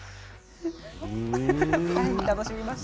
楽しみました。